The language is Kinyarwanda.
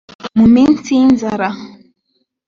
mu minsi y’inzara